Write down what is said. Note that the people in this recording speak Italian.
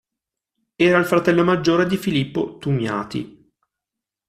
Era il Fratello maggiore di Filippo Tumiati.